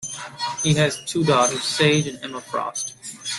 He has two daughters, Sage and Emma Frost.